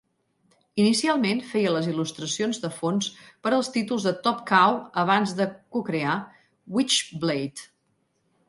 Inicialment feia les il·lustracions de fons per als títols de Top Cow abans de cocrear "Witchblade".